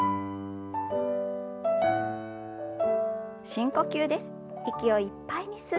深呼吸です。